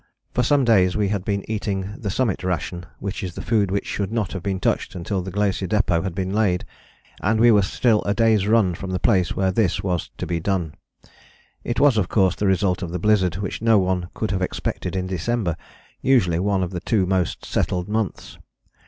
For some days we had been eating the Summit ration, that is the food which should not have been touched until the Glacier Depôt had been laid, and we were still a day's run from the place where this was to be done: it was of course the result of the blizzard which no one could have expected in December, usually one of the two most settled months.